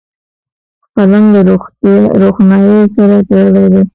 قلم له روښنايي سره تړلی دی